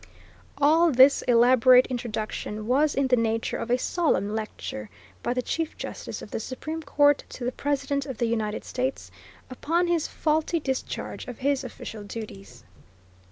All this elaborate introduction was in the nature of a solemn lecture by the Chief Justice of the Supreme Court to the President of the United States upon his faulty discharge of his official duties.